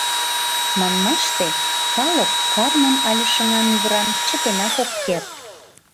Манмаште, калык кармым але шыҥам-ӱвырам чытенак ок керт.